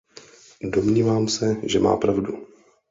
Domnívám se, že má pravdu.